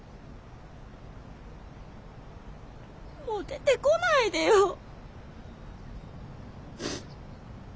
もう出てこないでよ！